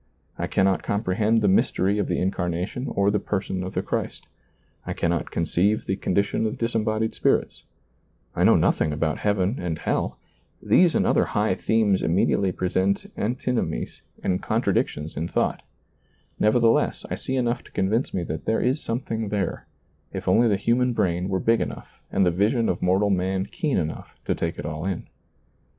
I cannot comprehend the mystery of the Incarnation or the Person of the Christ. I cannot conceive the condition of disembodied spirits, I know nothing about heaven and hell — these and other high ^lailizccbvGoOgle 14 SEEING DARKLY themes immediately present antinomies and con tradictions in thought ; nevertheless I see enough to convince me that there is something there ; if only the human brain were big enough and the vision of mortal man keen enough to take it all in.